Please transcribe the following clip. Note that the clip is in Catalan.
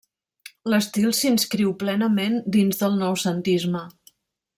L'estil s'inscriu plenament dins del Noucentisme.